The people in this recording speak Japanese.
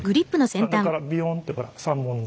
中からビヨンってほら３本の。